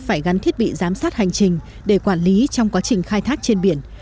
phải gắn thiết bị giám sát hành trình để quản lý trong quá trình khai thác trên biển